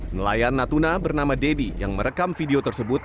nelayan natuna bernama deddy yang merekam video tersebut